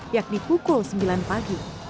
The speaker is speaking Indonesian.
yakni pukul sembilan pagi